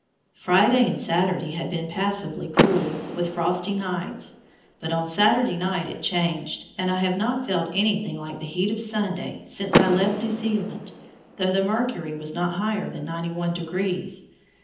Friday and Saturday had been passably cool, with frosty nights, but on Saturday night it changed, and I have not felt anything like the heat of Sunday since I left New Zealand, though the mercury was not higher than 91 degrees.